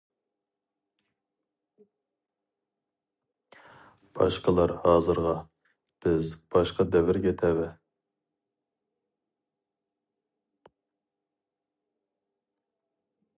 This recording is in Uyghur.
باشقىلار ھازىرغا، بىز باشقا دەۋرگە تەۋە.